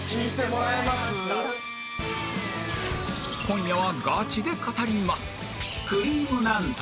今夜はガチで語ります